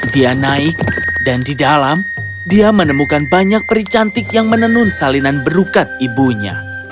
dia naik dan di dalam dia menemukan banyak peri cantik yang menenun salinan berukat ibunya